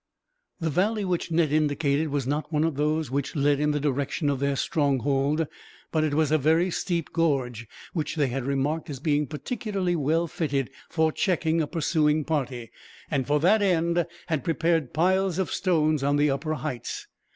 The valley which Ned indicated was not one of those which led in the direction of their stronghold; but it was a very steep gorge, which they had remarked as being particularly well fitted for checking a pursuing party; and for that end had prepared piles of stones on the upper heights.